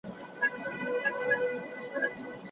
ډولسوه ساعتونو وروسته میکروب له منځه ځي.